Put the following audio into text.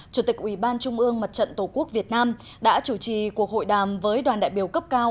chủ tịch ủy ban trung ương mặt trận tổ quốc việt nam đã chủ trì cuộc hội đàm với đoàn đại biểu cấp cao